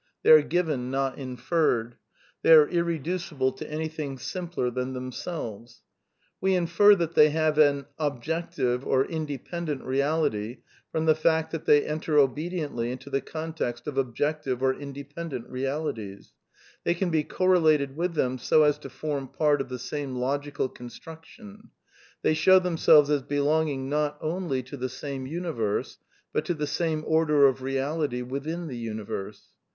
They are given, not inferred; they are irreducible to anything simpler than themselves. We infer that they have an ob jective or *^ independent " reality from the fact that they enter obediently into the context of objective or "inde pendent" realities; they can be correlated with them so as to form part of the same logical construction ; they show themselves as belonging not only to the same universe, but to the same order of reality within the universe.